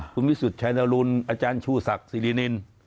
คุณวิสุทธิ์ชายนรุนอาจารย์ชูศักดิ์สิรินิน